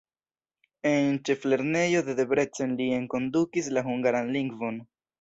En ĉeflernejo de Debrecen li enkondukis la hungaran lingvon.